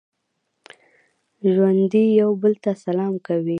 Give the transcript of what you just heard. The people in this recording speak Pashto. ژوندي یو بل ته سلام کوي